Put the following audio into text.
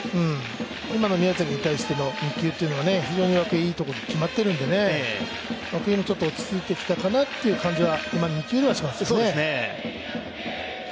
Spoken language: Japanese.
今の宮崎に対しての２球というのは非常にいいところに決まっているので涌井もちょっと落ち着いてきたかなっていう感じが今の２球では感じますね。